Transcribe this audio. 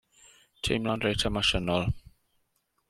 Teimlo'n reit emosiynol.